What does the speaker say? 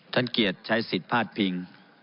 เกียรติใช้สิทธิ์พาดพิง